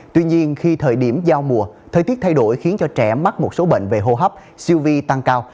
tuy nhiên khi thời điểm giao mùa thời tiết thay đổi khiến cho trẻ mắc một số bệnh về hô hấp siêu vi tăng cao